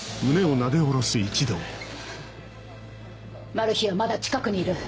マル被はまだ近くにいる。